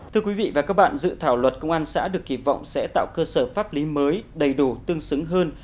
thưa quý vị và các bạn dự thảo luật công an xã được kỳ vọng sẽ tạo cơ sở pháp lý mới đầy đủ tương xứng hơn